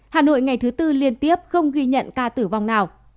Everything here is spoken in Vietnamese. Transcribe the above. hà nội ngày thứ tư liên tiếp không ghi nhận ca tử vong nào